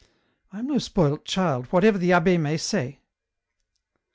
I am no spoilt child, whatever the abbd may say."